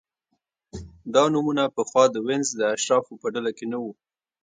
دا نومونه پخوا د وینز د اشرافو په ډله کې نه وو